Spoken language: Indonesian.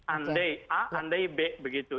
andai a andai b begitu